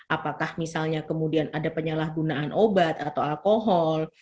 apakah misalnya kemudian ada penyalahgunaan obat atau alkohol